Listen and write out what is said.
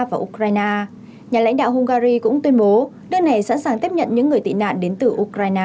và ukraine nhà lãnh đạo hungary cũng tuyên bố nước này sẵn sàng tiếp nhận những người tị nạn đến từ ukraine